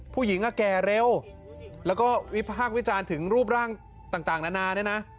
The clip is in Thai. ผู้หญิงแก่เร็วแล้วก็วิพากษ์วิจารณ์ถึงรูปร่างต่างนานาเนี่ยนะ